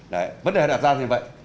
đấy vấn đề đã ra như vậy